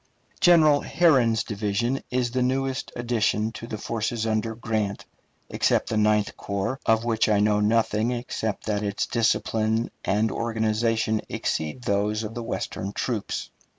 General Herron's division is the newest addition to the forces under Grant, except the Ninth Corps, of which I know nothing except that its discipline and organization exceed those of the Western troops.